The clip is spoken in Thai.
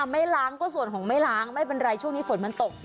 ไม่ล้างก็ส่วนของไม่ล้างไม่เป็นไรช่วงนี้ฝนมันตก